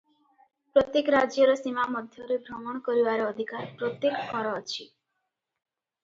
ପ୍ରତ୍ୟେକ ରାଜ୍ୟର ସୀମା ମଧ୍ୟରେ ଭ୍ରମଣ କରିବାର ଅଧିକାର ପ୍ରତ୍ୟେକଙ୍କର ଅଛି ।